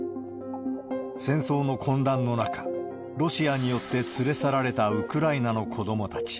戦争の混乱の中、ロシアによって連れ去られたウクライナの子どもたち。